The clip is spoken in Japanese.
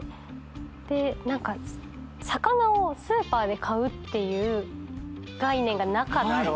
で何か魚をスーパーで買うっていう概念がなかった。